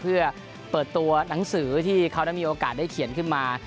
เพื่อเปิดตัวหนังสือที่เขานั้นมีโอกาสได้เขียนขึ้นมา